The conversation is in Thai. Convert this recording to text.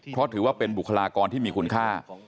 เพราะถือว่าเป็นบุคลากรที่มีคุณค่า